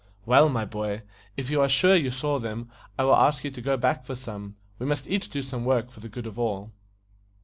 "Well, my boy, if you are sure you saw them, I will ask you to go back for some. We must each do some work for the good of all."